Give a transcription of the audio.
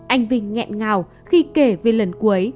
anh vinh nghẹn ngào khi kể về lần cuối